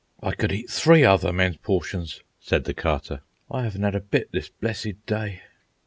"I could eat three other men's portions," said the Carter. "I 'aven't 'ad a bit this blessed day."